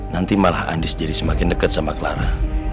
nanti malah andis jadi semakin dekat sama clara